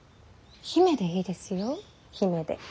姫でいいですよ姫で。